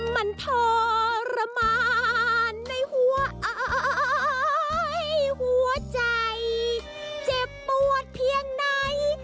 มันทรมานในหัวอายหัวใจเจ็บปวดเพียงไหน